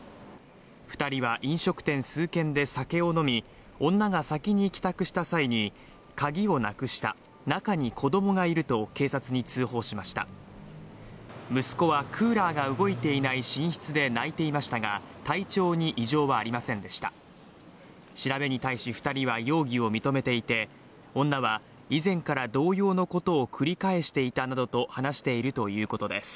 二人は飲食店数軒で酒を飲み女が先に帰宅した際に鍵をなくした中に子供がいると警察に通報しました息子はクーラーが動いていない寝室で泣いていましたが体調に異常はありませんでした調べに対し二人は容疑を認めていて女は以前から同様のことを繰り返していたなどと話しているということです